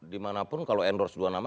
dimana pun kalau endorse dua nama